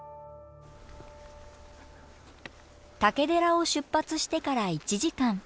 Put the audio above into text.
竹寺を出発してから１時間。